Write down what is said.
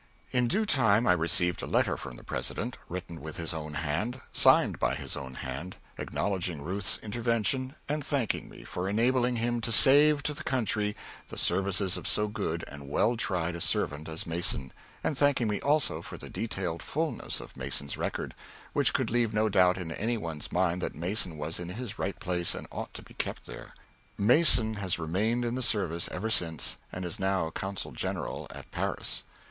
In due time I received a letter from the President, written with his own hand, signed by his own hand, acknowledging Ruth's intervention and thanking me for enabling him to save to the country the services of so good and well tried a servant as Mason, and thanking me, also, for the detailed fulness of Mason's record, which could leave no doubt in any one's mind that Mason was in his right place and ought to be kept there. Mason has remained in the service ever since, and is now consul general at Paris.